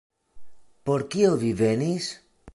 Por kio vi venis?